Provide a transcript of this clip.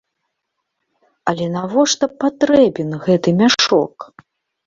Але навошта патрэбен гэты мяшок?